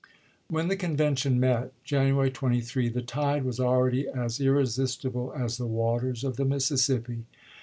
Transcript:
When the convention met, January 23, the tide was already as irresistible as the waters of the Missis sippi.